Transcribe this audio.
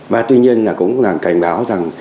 và tuy nhiên cũng là cảnh báo rằng